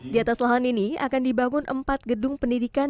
di atas lahan ini akan dibangun empat gedung pendidikan